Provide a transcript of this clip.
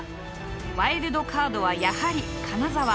ワイルドカードはやはり金沢。